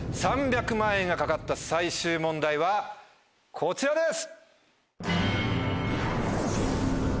３００万円が懸かった最終問題はこちらです！